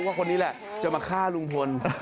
คนนี้แหละจะมาฆ่าลุงพล